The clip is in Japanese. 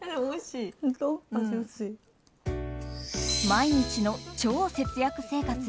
毎日の超節約生活。